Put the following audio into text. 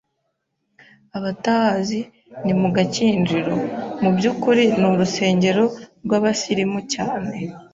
abatahazi ni mu Gakinjiro, muby’ukuri ni urusengero rw’ abasilimu cyane,